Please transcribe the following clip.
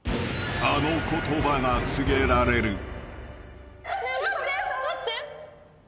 ［あの言葉が告げられる］